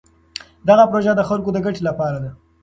دغه پروژه د خلکو د ګټې لپاره ده.